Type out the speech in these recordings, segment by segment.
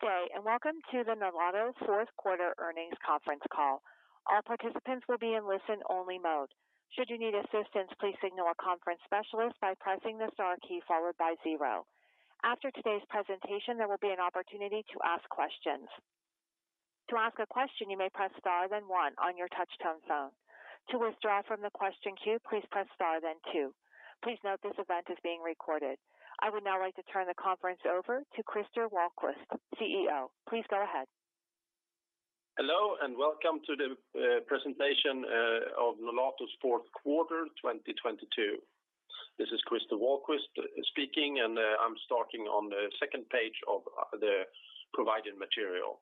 Good day, and welcome to the Nolato fourth quarter earnings conference call. All participants will be in listen-only mode. Should you need assistance, please signal a conference specialist by pressing the star key followed by zero. After today's presentation, there will be an opportunity to ask questions. To ask a question, you may press star then one on your touch-tone phone. To withdraw from the question queue, please press star then two. Please note this event is being recorded. I would now like to turn the conference over to Christer Wahlquist, CEO. Please go ahead. Hello, welcome to the presentation of Nolato's fourth quarter 2022. This is Christer Wahlquist speaking, I'm starting on the second page of the provided material.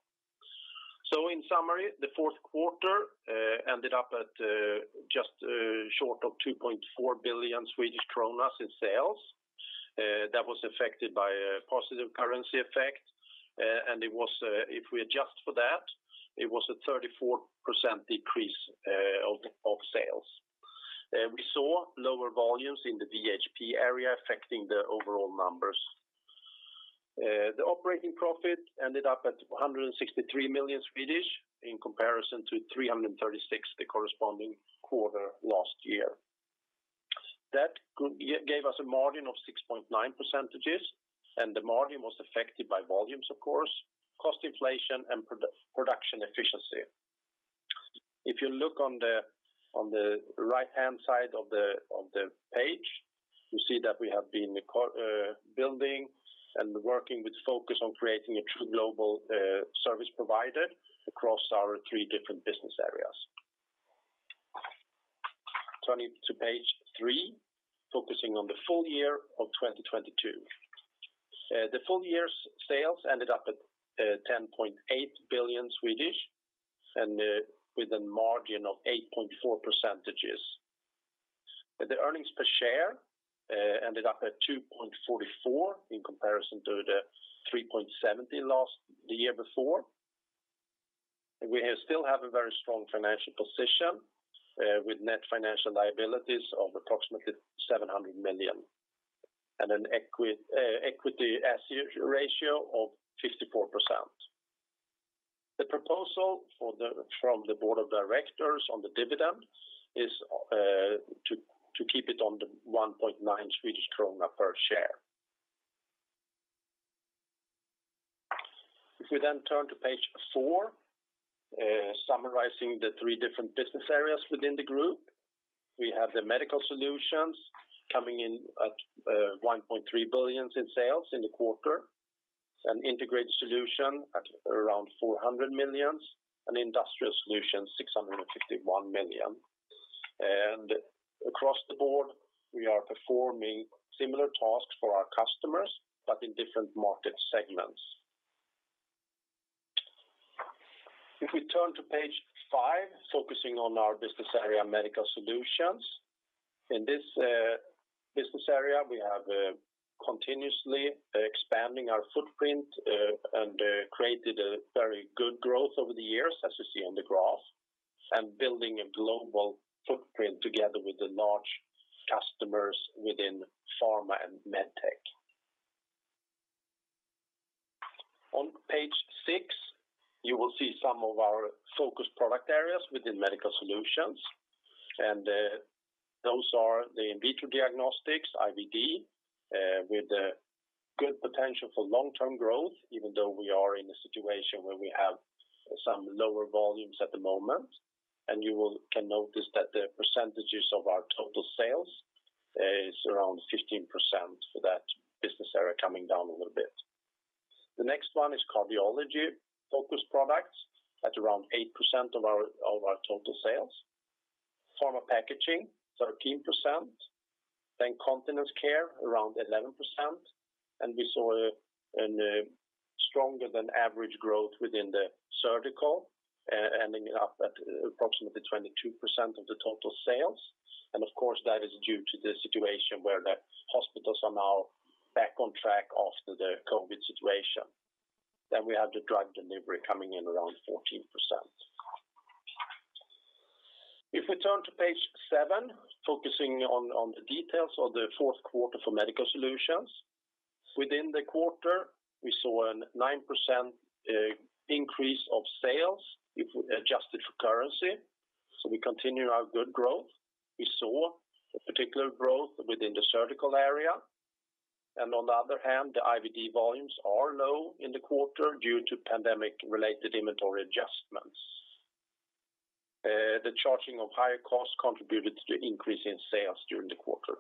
In summary, the fourth quarter ended up at just short of 2.4 billion Swedish kronor in sales. That was affected by a positive currency effect. It was, if we adjust for that, a 34% decrease of sales. We saw lower volumes in the VHP area affecting the overall numbers. The operating profit ended up at 163 million in comparison to 336 million the corresponding quarter last year. That gave us a margin of 6.9%. The margin was affected by volumes, of course, cost inflation and production efficiency. If you look on the, on the right-hand side of the, of the page, you see that we have been building and working with focus on creating a true global service provider across our three different business areas. Turning to page three, focusing on the full year of 2022. The full year's sales ended up at 10.8 billion and with a margin of 8.4%. The earnings per share ended up at 2.44 in comparison to the 3.70 last the year before. We still have a very strong financial position with net financial liabilities of approximately 700 million and an equity asset ratio of 54%. The proposal from the board of directors on the dividend is to keep it on the 1.9 Swedish krona per share. If we turn to page four, summarizing the three different business areas within the group. We have the Medical Solutions coming in at 1.3 billion in sales in the quarter, and Integrated Solutions at around 400 million, and Industrial Solutions 651 million. Across the board, we are performing similar tasks for our customers, but in different market segments. If we turn to page five, focusing on our business area, Medical Solutions. In this business area, we have continuously expanding our footprint, and created a very good growth over the years, as you see on the graph, and building a global footprint together with the large customers within pharma and med tech. On page six, you will see some of our focus product areas within Medical Solutions, and those are the in vitro diagnostics, IVD, with a good potential for long-term growth, even though we are in a situation where we have some lower volumes at the moment. You can notice that the percentages of our total sales is around 15% for that business area coming down a little bit. The next one is cardiology-focused products at around 8% of our total sales. Pharma packaging, 13%. Then continence care, around 11%. We saw an stronger than average growth within the surgical, ending up at approximately 22% of the total sales. Of course, that is due to the situation where the hospitals are now back on track after the COVID situation. We have the drug delivery coming in around 14%. If we turn to page seven, focusing on the details of the fourth quarter for Medical Solutions. Within the quarter, we saw a 9% increase of sales if we adjusted for currency. We continue our good growth. We saw a particular growth within the surgical area. On the other hand, the IVD volumes are low in the quarter due to pandemic-related inventory adjustments. The charging of higher costs contributed to the increase in sales during the quarter.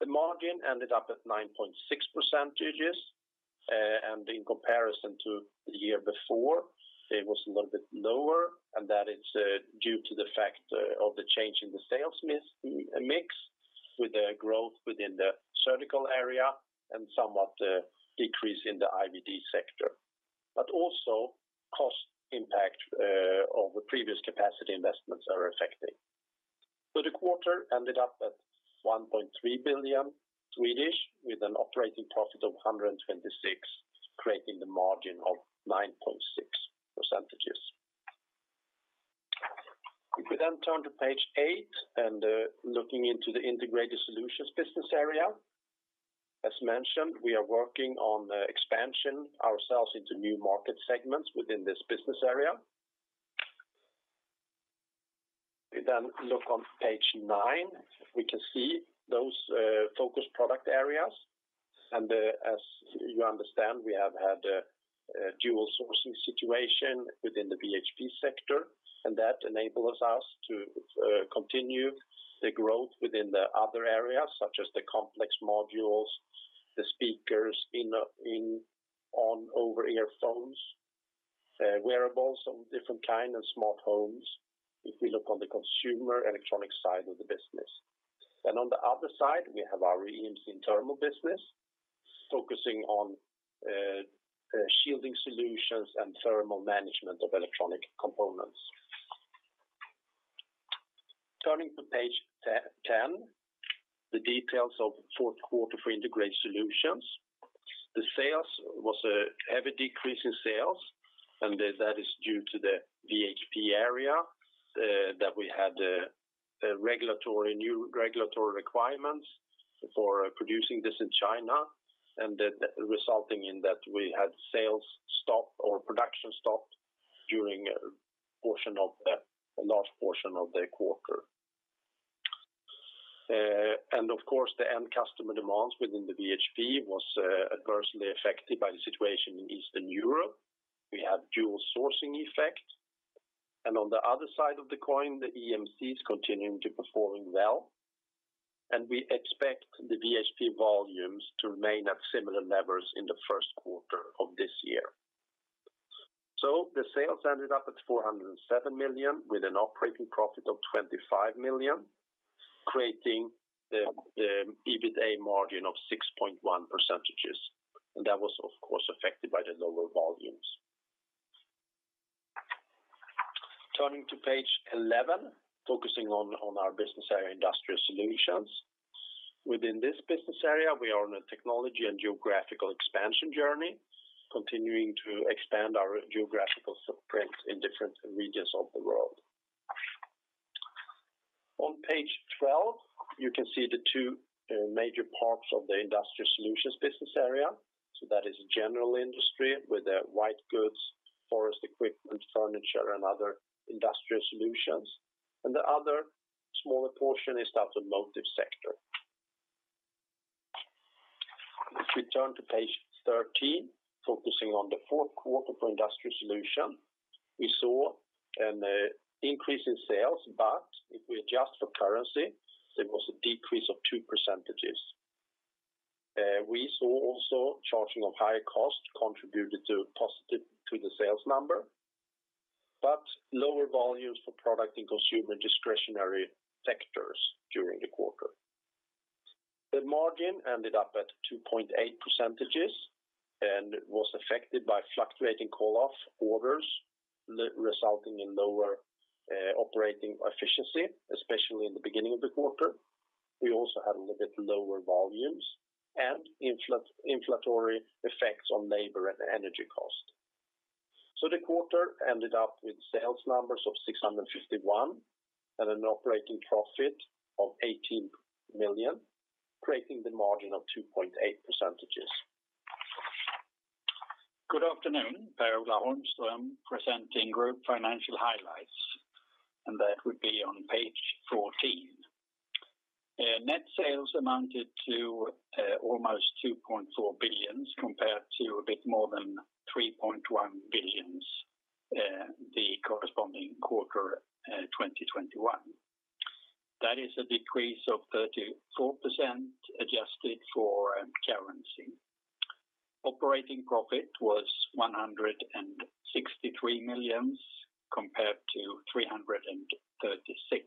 The margin ended up at 9.6%. In comparison to the year before, it was a little bit lower, and that is due to the fact of the change in the sales mix with the growth within the surgical area and somewhat the decrease in the IVD sector. Also cost impact of the previous capacity investments are affecting. The quarter ended up at 1.3 billion with an operating profit of 126 million, creating the margin of 9.6%. We then turn to page eight and looking into the Integrated Solutions business area. As mentioned, we are working on the expansion ourselves into new market segments within this business area. We then look on page nine, we can see those focus product areas. As you understand, we have had a dual sourcing situation within the VHP sector, and that enables us to continue the growth within the other areas, such as the complex modules, the speakers in over-ear phones, wearables of different kind and smart homes, if we look on the consumer electronic side of the business. On the other side, we have our EMC and thermal business focusing on shielding solutions and thermal management of electronic components. Turning to page 10, the details of fourth quarter for Integrated Solutions. The sales was a heavy decrease in sales, that is due to the VHP area, that we had a regulatory, new regulatory requirements for producing this in China, and that resulting in that we had sales stop or production stopped during a large portion of the quarter. Of course, the end customer demands within the VHP was adversely affected by the situation in Eastern Europe. We have dual sourcing effect. On the other side of the coin, the EMC is continuing to performing well, and we expect the VHP volumes to remain at similar levels in the first quarter of this year. The sales ended up at 407 million, with an operating profit of 25 million, creating the EBITDA margin of 6.1%. That was, of course, affected by the lower volumes. Turning to page 11, focusing on our business area Industrial Solutions. Within this business area, we are on a technology and geographical expansion journey, continuing to expand our geographical footprint in different regions of the world. On page 12, you can see the two major parts of the Industrial Solutions business area. That is general industry with the white goods, forest equipment, furniture, and other industrial solutions. The other smaller portion is the automotive sector. If we turn to page 13, focusing on the fourth quarter for Industrial Solutions, we saw an increase in sales. If we adjust for currency, there was a decrease of 2%. We saw also charging of higher cost contributed positive to the sales number. Lower volumes for product and consumer discretionary sectors during the quarter. The margin ended up at 2.8% and was affected by fluctuating call-off orders resulting in lower operating efficiency, especially in the beginning of the quarter. We also had a little bit lower volumes and inflationary effects on labor and energy cost. The quarter ended up with sales numbers of 651 million and an operating profit of 18 million, creating the margin of 2.8%. Good afternoon. Per-Ola Holmström presenting group financial highlights. That would be on page 14. Net sales amounted to almost 2.4 billion compared to a bit more than 3.1 billion the corresponding quarter 2021. That is a decrease of 34% adjusted for currency. Operating profit was 163 million compared to 336 million,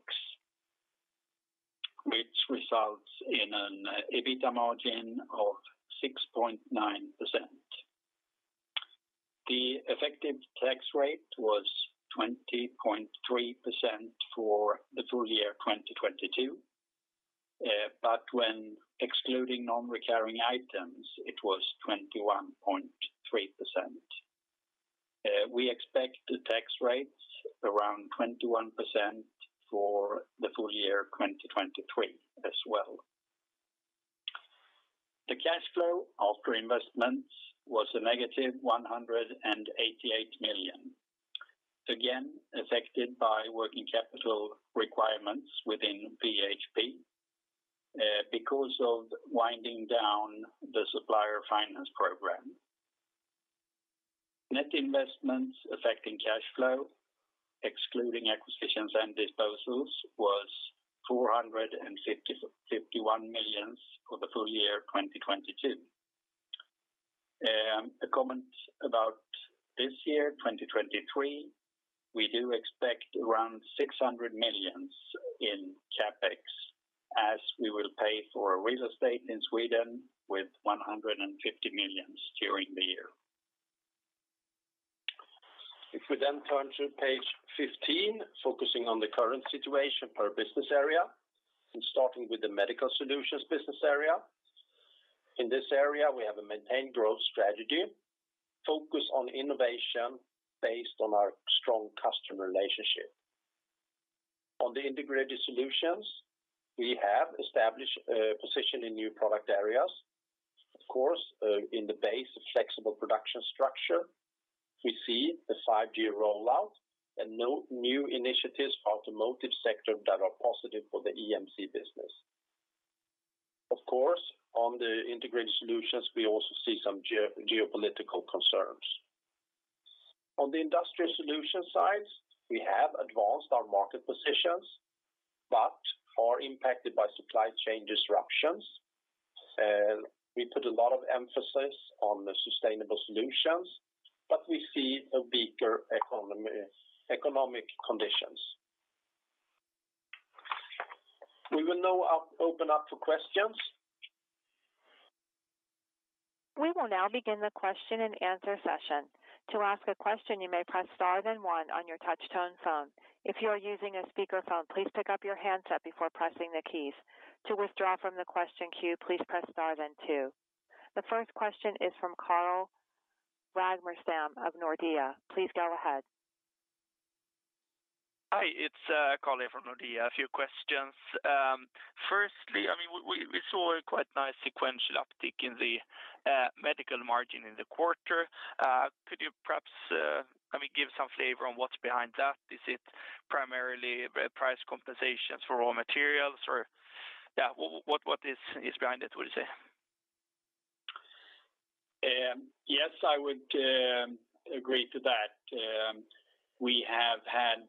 which results in an EBITDA margin of 6.9%. The effective tax rate was 20.3% for the full year 2022. When excluding non-recurring items, it was 21.3%. We expect the tax rates around 21% for the full year 2023 as well. The cash flow after investments was -188 million. Again, affected by working capital requirements within VHP, because of winding down the supplier finance program. Net investments affecting cash flow, excluding acquisitions and disposals, was 451 million for the full year 2022. A comment about this year, 2023, we do expect around 600 million in CapEx as we will pay for a real estate in Sweden with 150 million during the year. If we turn to page 15, focusing on the current situation per business area and starting with the Medical Solutions business area. In this area, we have a maintain growth strategy, focus on innovation based on our strong customer relationship. On the Integrated Solutions, we have established a position in new product areas. Of course, in the base of flexible production structure, we see a five-year rollout and no new initiatives for automotive sector that are positive for the EMC business. Of course, on the Integrated Solutions, we also see some geopolitical concerns. On the Industrial Solutions side, we have advanced our market positions but are impacted by supply chain disruptions. We put a lot of emphasis on the sustainable solutions, but we see a weaker economic conditions. We will now open up for questions. We will now begin the question and answer session. To ask a question, you may press star then one on your touch-tone phone. If you are using a speakerphone, please pick up your handset before pressing the keys. To withdraw from the question queue, please press star then two. The first question is from Carl Ragnerstam of Nordea. Please go ahead. Hi, it's Carl from Nordea. A few questions. firstly, I mean, we saw a quite nice sequential uptick in the medical margin in the quarter. Could you perhaps, I mean, give some flavor on what's behind that? Is it primarily price compensations for raw materials? yeah, what is behind it, would you say? Yes, I would agree to that. We have had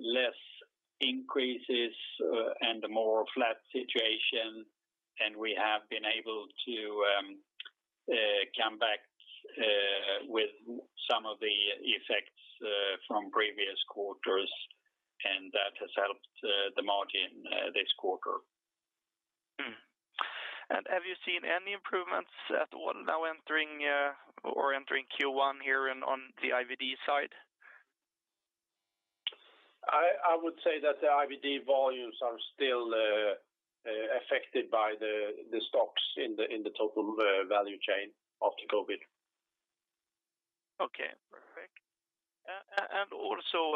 less increases, and a more flat situation, and we have been able to come back with some of the effects from previous quarters, and that has helped the margin this quarter. Have you seen any improvements at what now entering, or entering Q1 here in, on the IVD side? I would say that the IVD volumes are still affected by the stocks in the total value chain after COVID. Okay, perfect. Also,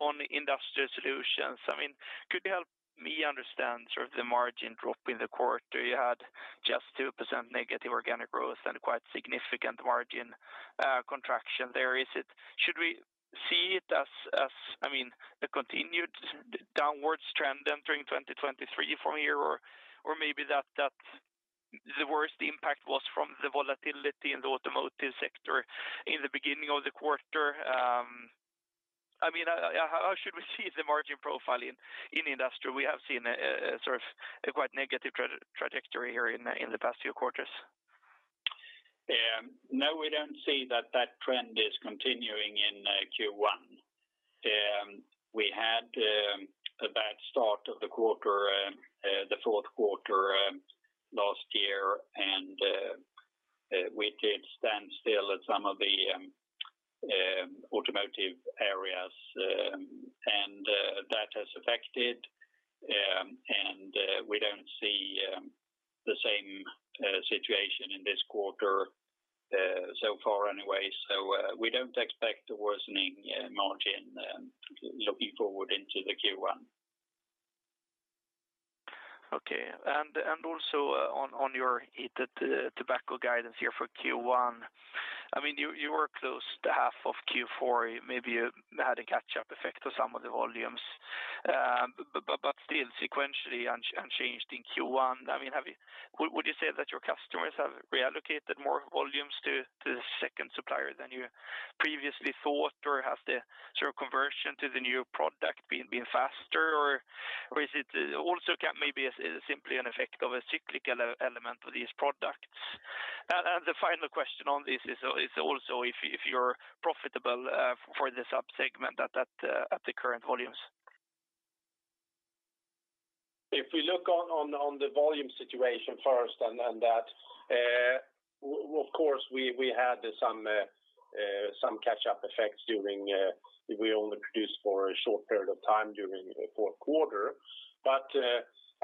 on Industrial Solutions, I mean, could you help me understand sort of the margin drop in the quarter? You had just 2% negative organic growth and a quite significant margin contraction there. Should we see it as, I mean, a continued downwards trend entering 2023 from here, or maybe that the worst impact was from the volatility in the automotive sector in the beginning of the quarter? I mean, how should we see the margin profile in Industrial Solutions? We have seen a sort of a quite negative trajectory here in the past few quarters. No, we don't see that that trend is continuing in Q1. We had a bad start of the quarter, the fourth quarter last year, and we did stand still at some of the automotive areas, and that has affected, and we don't see the same situation in this quarter so far anyway. We don't expect a worsening margin looking forward into the Q1. Okay. Also, on your heated tobacco guidance here for Q1, I mean, you were close to half of Q4. Maybe you had a catch-up effect to some of the volumes. Still sequentially unchanged in Q1. I mean, would you say that your customers have reallocated more volumes to the second supplier than you previously thought, or has the sort of conversion to the new product been faster, or is it also maybe simply an effect of a cyclical element of this product? The final question on this is also if you're profitable for this subsegment at the current volumes. If we look on the volume situation first and that, well of course we had some catch-up effects during, we only produced for a short period of time during the fourth quarter.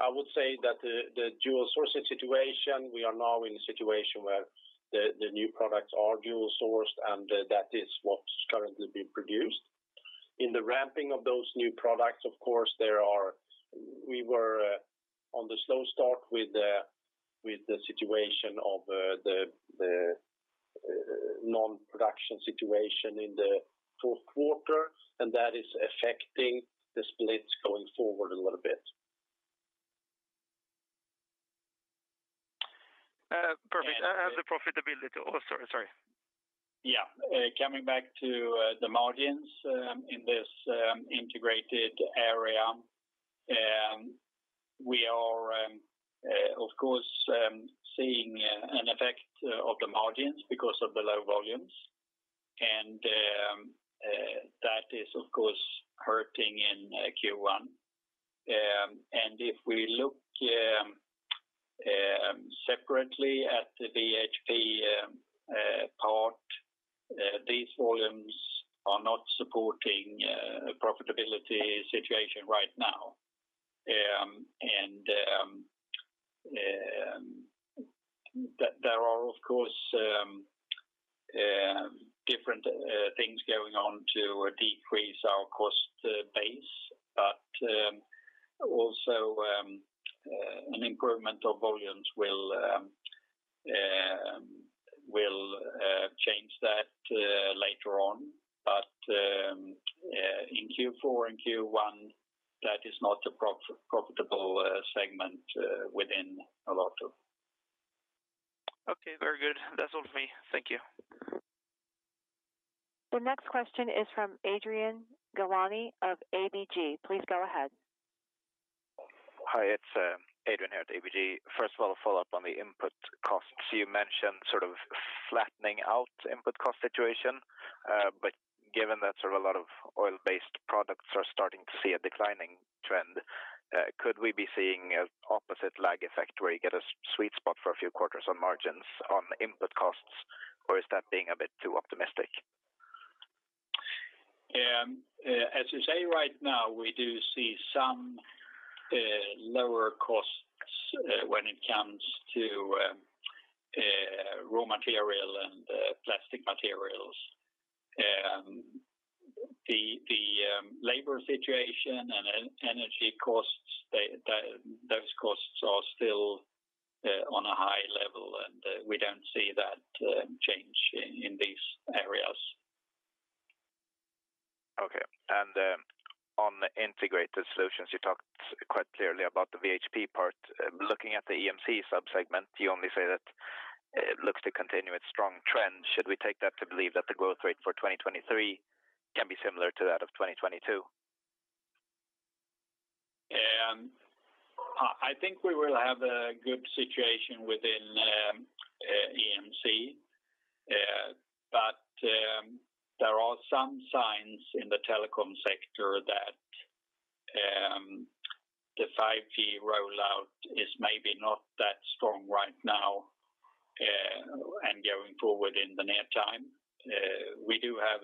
I would say that the dual sourcing situation, we are now in a situation where the new products are dual sourced, and that is what's currently being produced. In the ramping of those new products, of course, we were on the slow start with the situation of the non-production situation in the fourth quarter, and that is affecting the splits going forward a little bit. Perfect. And the- The profitability. Oh, sorry. Yeah. Coming back to the margins in this Integrated area, we are of course seeing an effect of the margins because of the low volumes. That is of course hurting in Q1. If we look separately at the VHP part, these volumes are not supporting profitability situation right now. There are of course different things going on to decrease our cost base, but also an incremental volumes will change that later on. In Q4 and Q1, that is not a profitable segment within Nolato. Okay, very good. That's all for me. Thank you. The next question is from Adrian Gilani of ABG. Please go ahead. Hi, it's Adrian here at ABG. First of all, a follow-up on the input costs. You mentioned sort of flattening out input cost situation. Given that sort of a lot of oil-based products are starting to see a declining trend, could we be seeing an opposite lag effect where you get a sweet spot for a few quarters on margins on input costs? Or is that being a bit too optimistic? As you say right now, we do see some lower costs when it comes to raw material and plastic materials. The labor situation and energy costs, those costs are still on a high level, and we don't see that change in these areas. Okay. On the Integrated Solutions, you talked quite clearly about the VHP part. Looking at the EMC sub-segment, you only say that it looks to continue its strong trend. Should we take that to believe that the growth rate for 2023 can be similar to that of 2022? I think we will have a good situation within EMC. There are some signs in the telecom sector that the 5G rollout is maybe not that strong right now, and going forward in the near time. We do have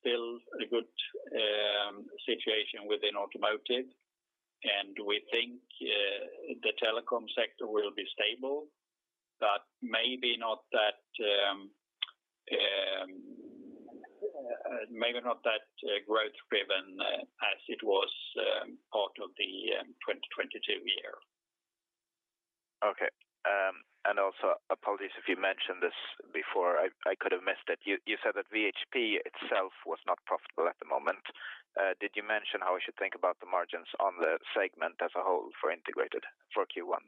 still a good situation within automotive, and we think the telecom sector will be stable, but maybe not that growth-driven, as it was part of the 2022 year. Okay. apologies if you mentioned this before, I could have missed it. You said that VHP itself was not profitable at the moment. did you mention how we should think about the margins on the segment as a whole for integrated for Q1?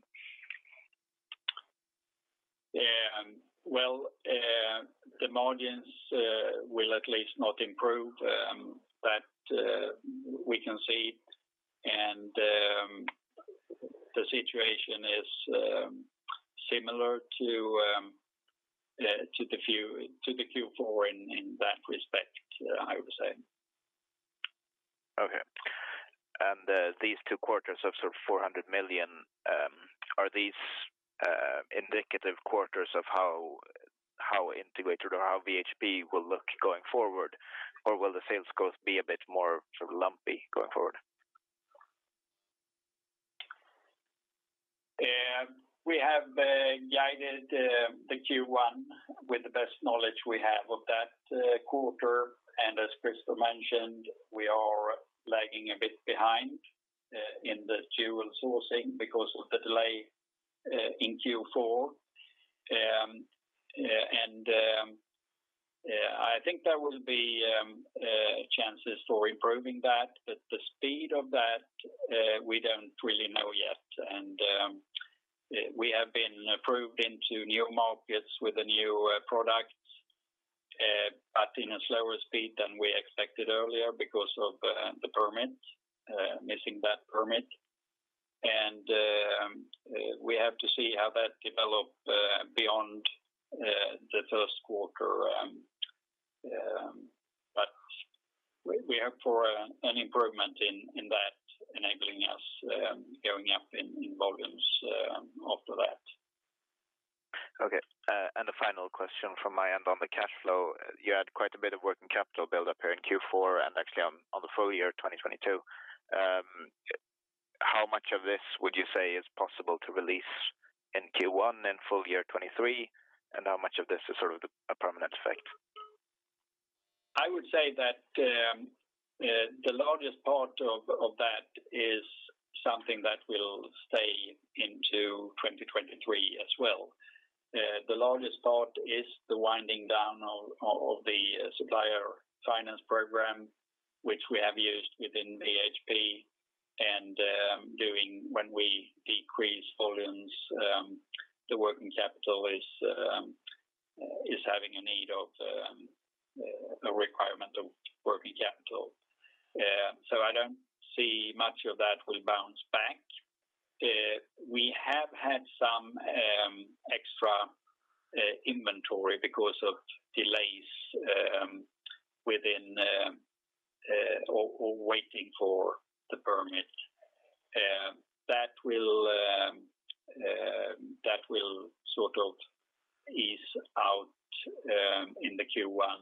Well, the margins will at least not improve, but we can see. The situation is similar to the Q4 in that respect, I would say. Okay. These two quarters of sort of 400 million, are these indicative quarters of how integrated or how VHP will look going forward? Or will the sales growth be a bit more sort of lumpy going forward? We have guided the Q1 with the best knowledge we have of that quarter. As Christer mentioned, we are lagging a bit behind in the dual sourcing because of the delay in Q4. I think there will be chances for improving that, but the speed of that we don't really know yet. We have been approved into new markets with the new products, but in a slower speed than we expected earlier because of the permit, missing that permit. We have to see how that develop beyond the first quarter. But we hope for an improvement in that enabling us going up in volumes after that. Okay. The final question from my end on the cash flow. You had quite a bit of working capital build up here in Q4 and actually on the full year 2022. How much of this would you say is possible to release in Q1 and full year 2023? How much of this is sort of a permanent effect? I would say that the largest part of that is something that will stay into 2023 as well. The largest part is the winding down of the supplier finance program, which we have used within VHP. Doing when we decrease volumes, the working capital is having a need of a requirement of working capital. I don't see much of that will bounce back. We have had some extra inventory because of delays within or waiting for the permit. That will sort of ease out in the Q1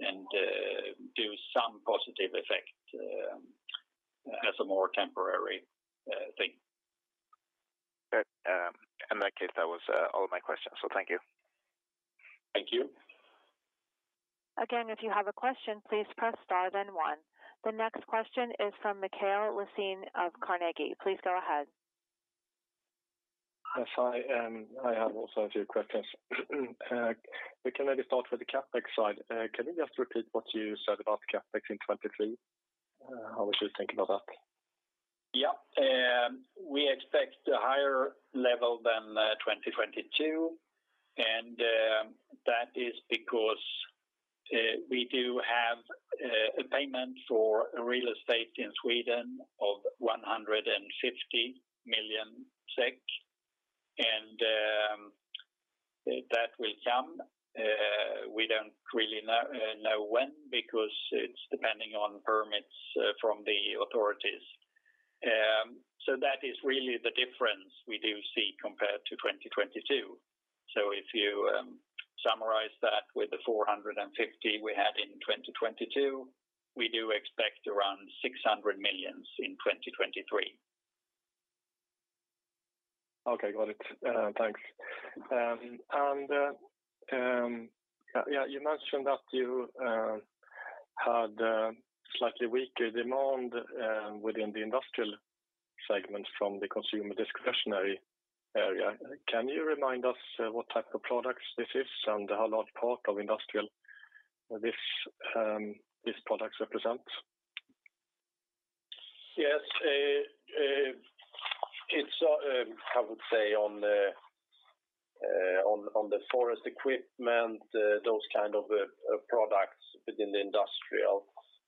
and do some positive effect as a more temporary thing. Okay. In that case, that was all my questions, so thank you. Thank you. Again, if you have a question, please press star then one. The next question is from Mikael Laséen of Carnegie. Please go ahead. Hi. I have also a few questions. We can maybe start with the CapEx side. Can you just repeat what you said about CapEx in 2023? How we should think about that. Yeah. We expect a higher level than 2022, that is because we do have a payment for real estate in Sweden of 150 million SEK, that will come. We don't really know when because it's depending on permits from the authorities. That is really the difference we do see compared to 2022. If you summarize that with the 450 million we had in 2022, we do expect around 600 million in 2023. Okay, got it. Thanks. Yeah, you mentioned that you had a slightly weaker demand within the industrial segment from the consumer discretionary area. Can you remind us, what type of products this is and how large part of industrial this these products represent? Yes. It's I would say on the forest equipment, those kind of products within the industrial.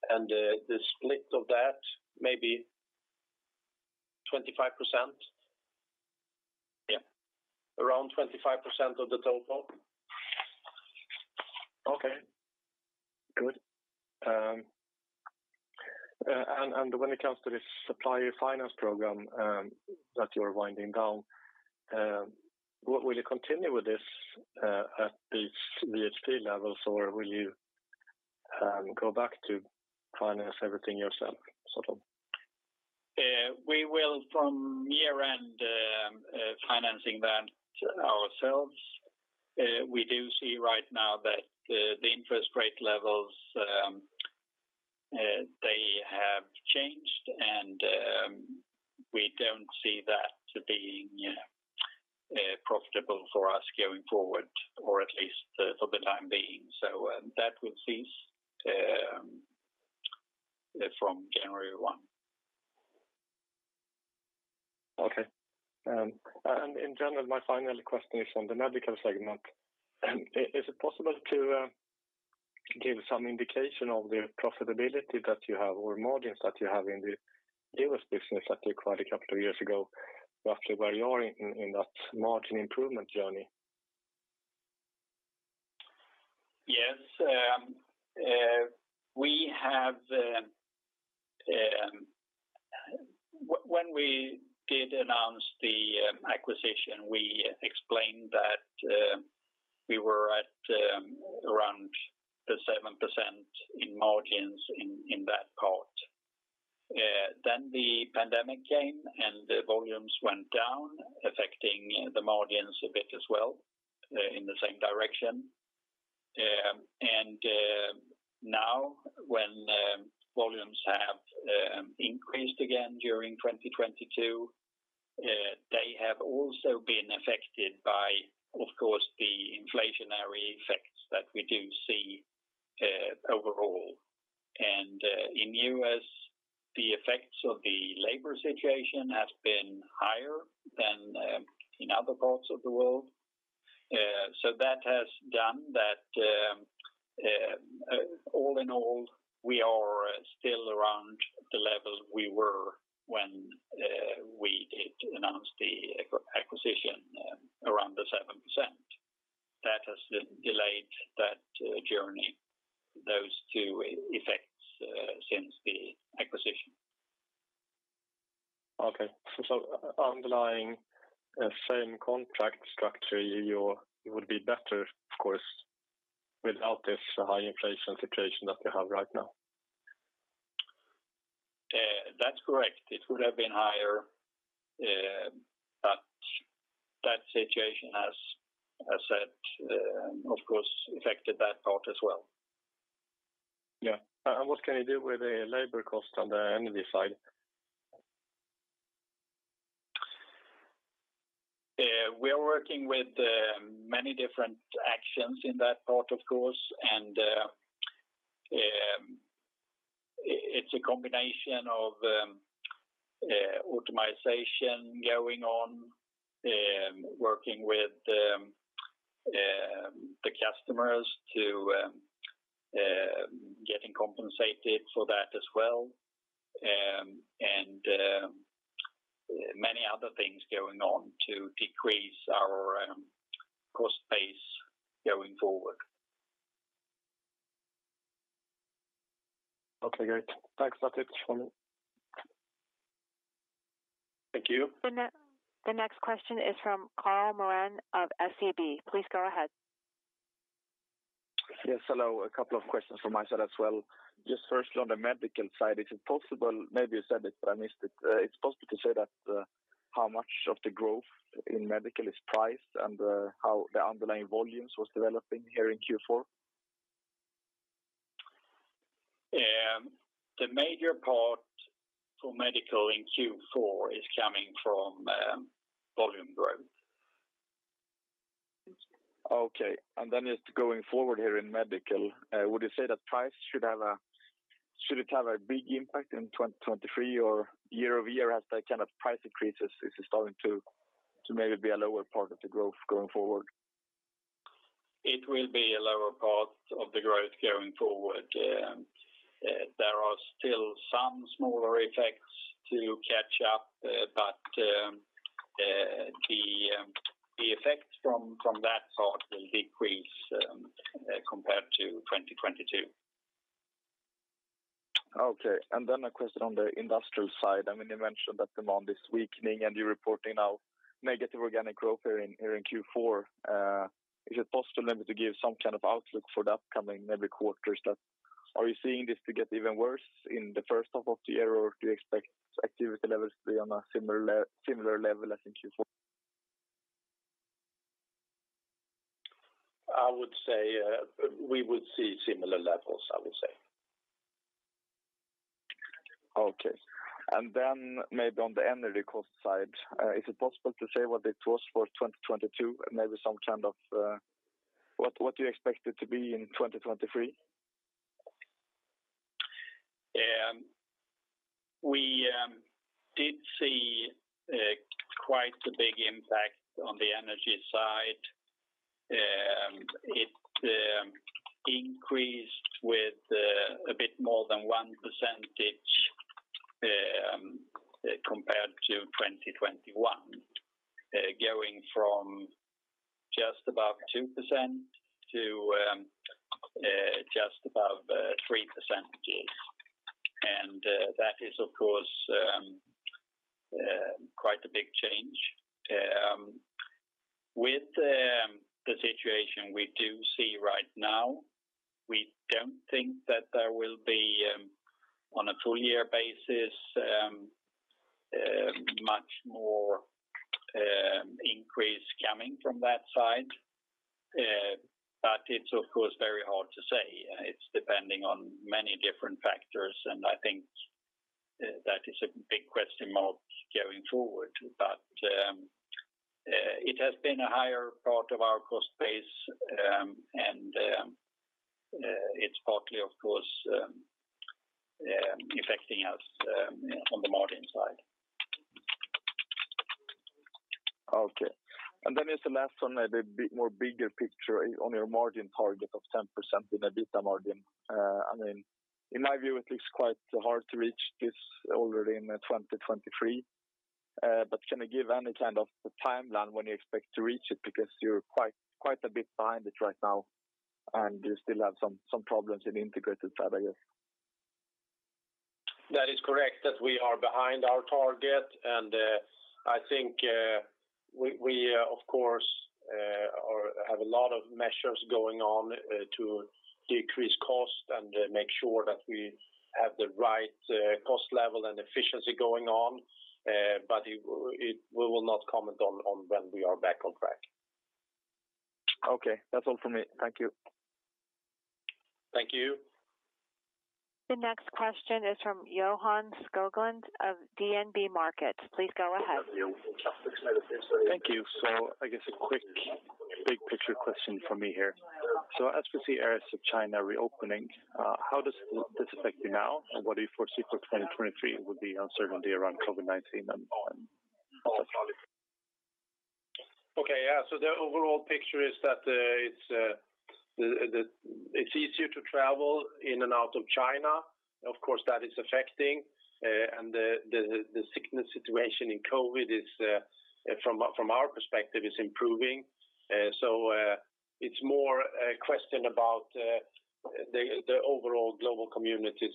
The split of that maybe 25%. Yeah. Around 25% of the total. Okay. Good. When it comes to the supplier finance program, that you're winding down, will you continue with this, at these VHP levels, or will you go back to finance everything yourself sort of? We will from year-end, financing that ourselves. We do see right now that the interest rate levels, they have changed, and we don't see that being profitable for us going forward or at least for the time being. That will cease from January 1. Okay. In general, my final question is on the medical segment. Is it possible to give some indication of the profitability that you have or margins that you have in the U.S. business that you acquired a couple of years ago, roughly where you are in that margin improvement journey? Yes. When we did announce the acquisition, we explained that we were at around the 7% in margins in that part. Then the pandemic came, the volumes went down, affecting the margins a bit as well in the same direction. Now, when volumes have increased again during 2022, they have also been affected by, of course, the inflationary effects that we do see overall. In U.S., the effects of the labor situation have been higher than in other parts of the world. That has done that. All in all, we are still around the level we were when we did announce the acquisition, around the 7%. That has delayed that journey, those two effects, since the acquisition. Okay. underlying, same contract structure, it would be better, of course, without this high inflation situation that you have right now? That's correct. It would have been higher, but that situation has, as I said, of course, affected that part as well. Yeah. What can you do with the labor cost on the energy side? We are working with many different actions in that part, of course, and it's a combination of optimization going on, working with the customers to getting compensated for that as well, and many other things going on to decrease our cost base going forward. Okay, great. Thanks. That's it from me. Thank you. The next question is from Karl Norén of SEB. Please go ahead. Yes, hello. A couple of questions from my side as well. Just firstly, on the Medical side, is it possible... Maybe you said it, but I missed it. It's possible to say that how much of the growth in Medical is priced and how the underlying volumes was developing here in Q4? The major part for medical in Q4 is coming from volume growth. Okay. Just going forward here in medical, would you say that price should it have a big impact in 2023 or year-over-year as the kind of price increases is starting to maybe be a lower part of the growth going forward? It will be a lower part of the growth going forward. There are still some smaller effects to catch up, but the effects from that part will decrease compared to 2022. Okay. A question on the industrial side. I mean, you mentioned that demand is weakening and you're reporting now negative organic growth here in Q4. Is it possible maybe to give some kind of outlook for the upcoming maybe quarters that are you seeing this to get even worse in the first half of the year, or do you expect activity levels to be on a similar level as in Q4? I would say, we would see similar levels, I would say. Okay. Then maybe on the energy cost side, is it possible to say what it was for 2022 and maybe some kind of, what do you expect it to be in 2023? We did see quite a big impact on the energy side. It increased with a bit more than 1% compared to 2021, going from just about 2% to just above 3%. That is, of course, quite a big change. With the situation we do see right now, we don't think that there will be on a full year basis much more increase coming from that side. It's of course very hard to say. It's depending on many different factors, I think that is a big question mark going forward. It has been a higher part of our cost base, it's partly of course affecting us on the margin side. Okay. As the last one, maybe bit more bigger picture on your margin target of 10% in EBITDA margin. I mean, in my view it looks quite hard to reach this already in 2023. Can you give any kind of timeline when you expect to reach it? Because you're quite a bit behind it right now, and you still have some problems in the integrated side, I guess. That is correct, that we are behind our target. I think, we of course, have a lot of measures going on, to decrease cost and make sure that we have the right, cost level and efficiency going on. We will not comment on when we are back on track. Okay. That's all for me. Thank you. Thank you. The next question is from Johan Skoglund of DNB Markets. Please go ahead. Thank you. I guess a quick big picture question from me here. As we see areas of China reopening, how does this affect you now? What do you foresee for 2023 would be uncertainty around COVID-19? Okay. Yeah. The overall picture is that it's easier to travel in and out of China. Of course, that is affecting. The sickness situation in COVID is from our perspective, is improving. It's more a question about the overall global community's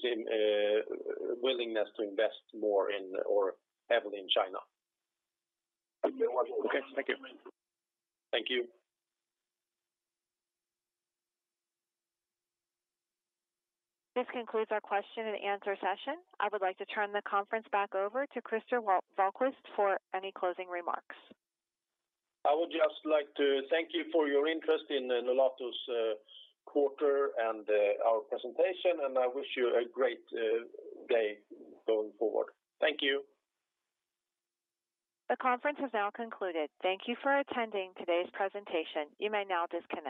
willingness to invest more in or heavily in China. Okay. Thank you. Thank you. This concludes our question and answer session. I would like to turn the conference back over to Christer Wahlquist for any closing remarks. I would just like to thank you for your interest in Nolato's quarter and our presentation. I wish you a great day going forward. Thank you. The conference has now concluded. Thank you for attending today's presentation. You may now disconnect.